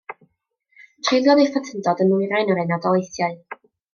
Treuliodd ei phlentyndod yn nwyrain yr Unol Daleithiau.